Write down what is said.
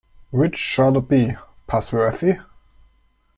Which shall it be, Passworthy?